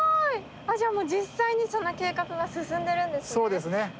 じゃあもう実際にその計画が進んでるんですね。